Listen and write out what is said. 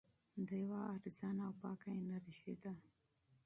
دا یوه ارزانه او پاکه انرژي ده.